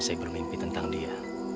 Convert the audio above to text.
saya bermimpi tentang dia